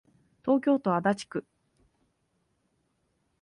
東京都足立区